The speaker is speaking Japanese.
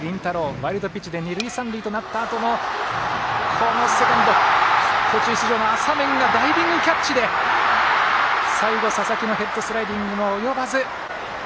ワイルドピッチで二塁三塁となったあとこのセカンド途中出場の浅面がダイビングキャッチで最後、佐々木のヘッドスライディングも及ばず。